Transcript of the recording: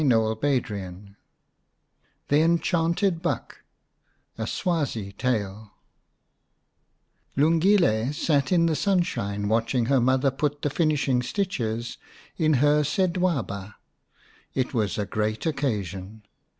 211 XVIII THE ENCHANTED BUCK A SWAZI TALE LUNGILE sat in the sunshine watching her mother put the finishing stitches in her sedwaba. It was a great occasion.